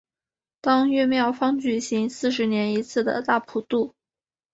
当月庙方举行四十年一次的大普度。